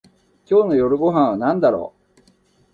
今日の夜ご飯はなんだろう